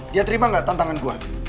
dia terima gak tantangan gue